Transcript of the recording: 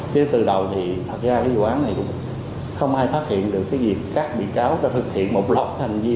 chứ từ đầu thì thật ra cái vụ án này cũng không ai phát hiện được cái việc các bị cáo đã thực hiện một loạt hành vi